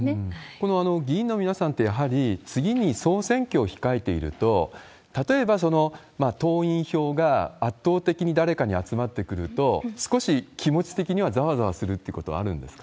この議員の皆さんって、やはり次に総選挙を控えていると、例えばその党員票が圧倒的に誰かに集まってくると、少し気持ち的にはざわざわするってことはあるんですか？